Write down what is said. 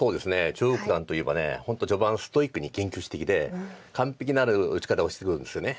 張栩九段といえば本当序盤ストイックに研究してきて完璧なる打ち方をしてくるんですよね。